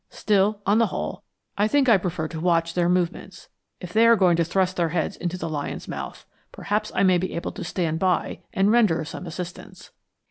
Still, on the whole, I think I prefer to watch their movements. If they are going to thrust their heads into the lion's mouth, perhaps I may be able to stand by and render some assistance."